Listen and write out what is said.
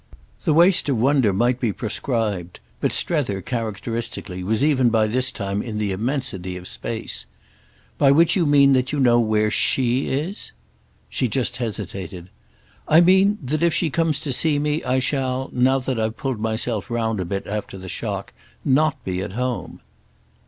The waste of wonder might be proscribed; but Strether, characteristically, was even by this time in the immensity of space. "By which you mean that you know where she is?" She just hesitated. "I mean that if she comes to see me I shall—now that I've pulled myself round a bit after the shock—not be at home."